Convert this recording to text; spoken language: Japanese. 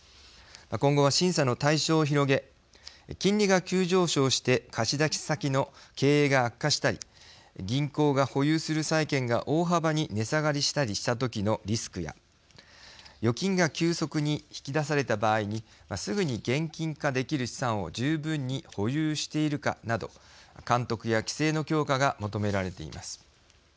今後は審査の対象を広げ金利が急上昇して貸出先の経営が悪化したり銀行が保有する債券が大幅に値下がりしたりした時のリスクや預金が急速に引き出された場合にすぐに現金化できる資産を十分に保有しているかなど監督や規制の強化が求められています。